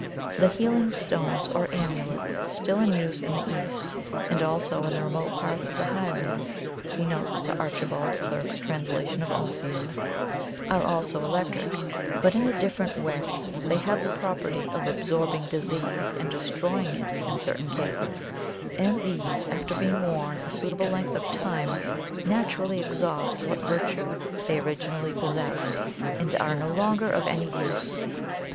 The "healing stones," or amulets, still in use in the East, and also in the remote parts of the Highlands (see notes to Archibald Clerk's translation of 'Ossian'), are also electric, but in a different way they have the property of absorbing DISEASE and destroying it in certain cases; and these, after being worn a suitable length of time, naturally exhaust what virtue they originally possessed, and are no longer of any use.